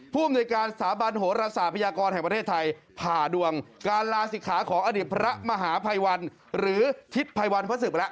ผู้อำนวยการสาบานโหรสาพยากรแห่งประเทศไทย